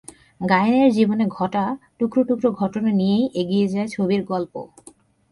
গায়েনের জীবনে ঘটা টুকরো টুকরো ঘটনা নিয়েই এগিয়ে যায় ছবির গল্প।